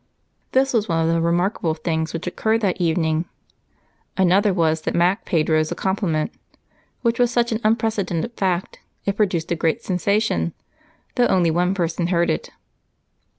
This was one of the remarkable things which occurred that evening. Another was that Mac paid Rose a compliment, which was such an unprecedented fact, it produced a great sensation, though only one person heard it.